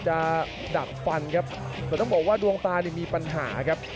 กระโดยสิ้งเล็กนี่ออกกันขาสันเหมือนกันครับ